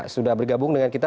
sudah bergabung dengan kita